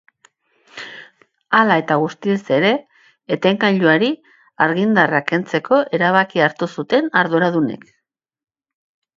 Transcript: Hala eta guztiz ere, etengailuari argindarra kentzeko erabakia hartu zuten arduradunek.